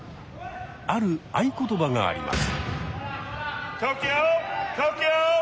ある「合言葉」があります。